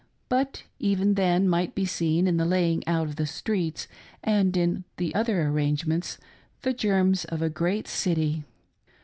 But even then might be seen in the laying out of the streets, and in the other arrangements, the germs of a great city.